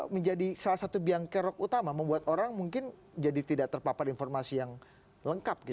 menjadi salah satu biang kerok utama membuat orang mungkin jadi tidak terpapar informasi yang lengkap